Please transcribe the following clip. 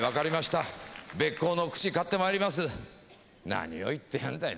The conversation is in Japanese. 何を言ってやんだい。